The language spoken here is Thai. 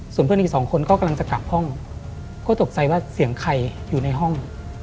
ส่วนเพื่อนอีกสองคนก็กำลังจะกลับห้องก็ตกใจว่าเสียงใครอยู่ในห้อง